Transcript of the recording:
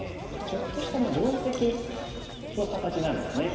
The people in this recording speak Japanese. ちょっとした定石の形なんですね。